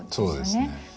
そうですね。